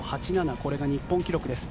これが日本記録です。